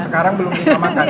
sekarang belum ingat makanya